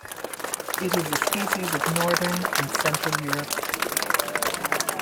It is a species of northern and central Europe.